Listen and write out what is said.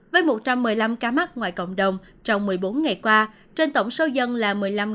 với một trăm một mươi năm ca mắc ngoài cộng đồng trong một mươi bốn ngày qua trên tổng số dân là một mươi năm năm trăm sáu mươi sáu